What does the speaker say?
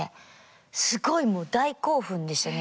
すごいもう大興奮でしたね。